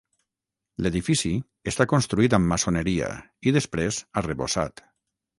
L'edifici està construït amb maçoneria i després arrebossat.